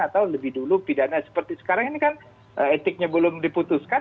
atau lebih dulu pidana seperti sekarang ini kan etiknya belum diputuskan